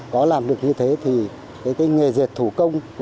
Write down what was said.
có làm được như thế thì cái nghề dệt thủ công